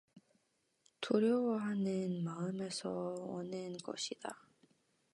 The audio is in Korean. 두려워하는 마음에서 오는 것이다.